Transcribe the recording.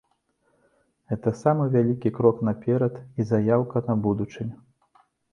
Гэта самы вялікі крок наперад і заяўка на будучыню.